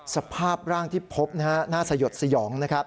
สภาพร่างที่พบหน้าสยดสยอง